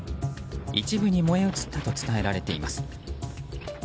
一部に燃え移ったと伝えられています。